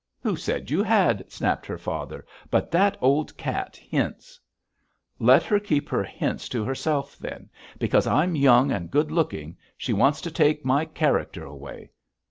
'Who said you had?' snapped her father; 'but that old cat hints.' 'Let her keep her hints to herself, then. Because I'm young and good looking she wants to take my character away.